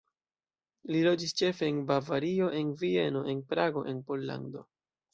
Li loĝis ĉefe en Bavario, en Vieno, en Prago, en Pollando.